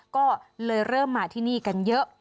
ก็เลยเริ่มมาที่นี่กันเยอะ